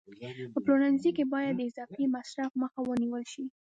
په پلورنځي کې باید د اضافي مصرف مخه ونیول شي.